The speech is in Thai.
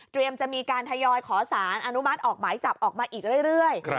จะมีการทยอยขอสารอนุมัติออกหมายจับออกมาอีกเรื่อย